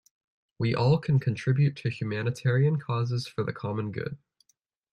We all can contribute to humanitarian causes for the common good.